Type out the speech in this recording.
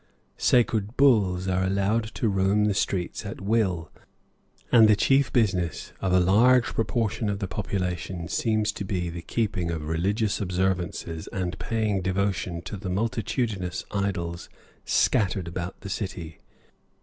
Sacred bulls are allowed to roam the streets at will, and the chief business of a large proportion of the population seems to be the keeping of religious observances and paying devotion to the multitudinous idols scattered about the city.